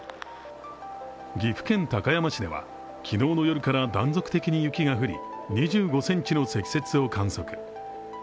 岐阜県高山市では、昨日の夜から断続的に雪が降り２５ｃｍの積雪を観測。